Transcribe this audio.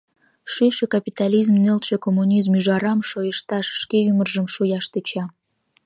Шӱйшӧ капитализм нӧлтшӧ коммунизм ӱжарам-шойышташ, шке ӱмыржым шуяш тӧча.